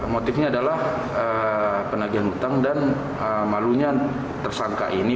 motifnya adalah penagihan hutang dan malunya tersangka ini